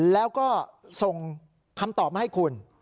แล้วก็ส่งคำตอบมาให้คุณ